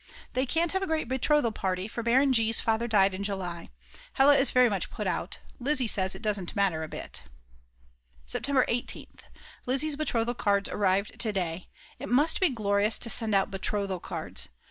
They can't have a great betrothal party, for Baron G.'s father died in July. Hella is very much put out. Lizzi says it does not matter a bit. September 18th. Lizzi's betrothal cards arrived to day. It must be glorious to send out betrothal cards.